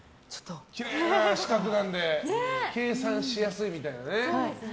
きれいな四角なので計算しやすいみたいなね。